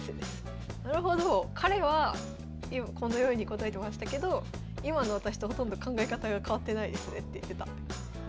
彼はこのように答えてましたけど今の私とほとんど考え方が変わってないですね」って言ってた。